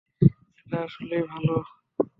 এটা আসলেই ভালো।